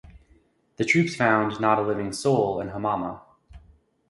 The troops found "not a living soul" in Hamama.